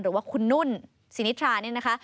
หรือว่าคุณนุ่นสินิทราเนี่ยนะคะ